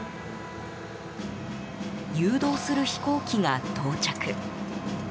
誘導する飛行機が到着。